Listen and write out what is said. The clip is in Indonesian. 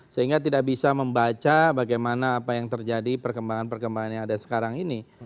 sehingga tidak bisa membaca bagaimana apa yang terjadi perkembangan perkembangan yang ada sekarang ini